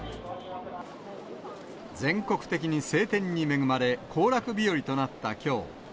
全国的に晴天に恵まれ、行楽日和となったきょう。